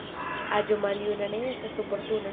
Aĝo maljuna ne estas oportuna.